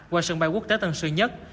qua sân bay quốc tế tân sơn nhất